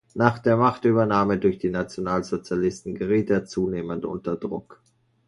Nach der Machtübernahme durch die Nationalsozialisten geriet er zunehmend unter Druck.